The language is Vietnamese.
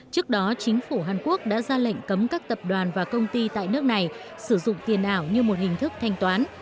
trước đó chính phủ hàn quốc đã ra lệnh cấm các tập đoàn và công ty tại nước này sử dụng tiền ảo như một hình thức thanh toán